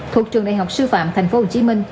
thuộc trường đại học sư phạm tp hcm